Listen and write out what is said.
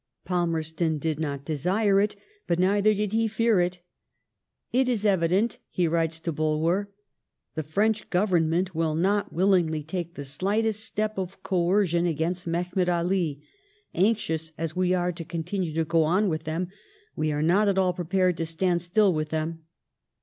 Palmerston did not desire it, but neither did he fear it. " It is evident," he writes to Bulwer,^ "the French Government will not willingly take the slightest step of coercion against Mehemet Ali ... anxious as we are to continue to go on with them, we are not at all prepared to stand still with them.